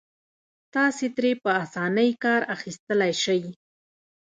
تاسې ترې په اسانۍ کار اخيستلای شئ.